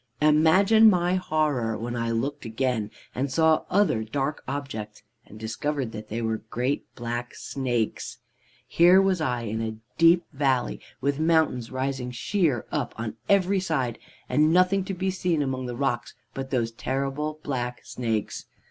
Imagine my horror when I looked again and saw other dark objects, and discovered that they were great black snakes. "Here was I, in a deep valley, with mountains rising sheer up on every side, and nothing to be seen among the rocks but those terrible black snakes.